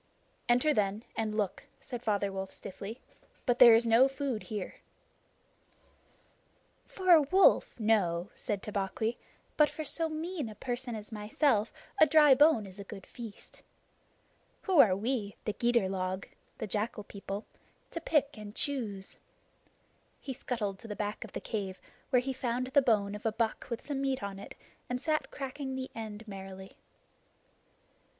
"Enter, then, and look," said Father Wolf stiffly, "but there is no food here." "For a wolf, no," said Tabaqui, "but for so mean a person as myself a dry bone is a good feast. Who are we, the Gidur log [the jackal people], to pick and choose?" He scuttled to the back of the cave, where he found the bone of a buck with some meat on it, and sat cracking the end merrily.